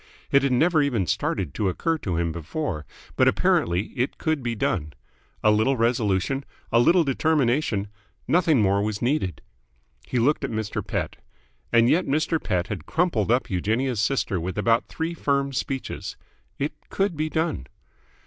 It had never even started to occur to him before, but apparently it could be done. A little resolution, a little determination ... nothing more was needed. He looked at Mr. Pett. And yet Mr. Pett had crumpled up Eugenia's sister with about three firm speeches. It could be done.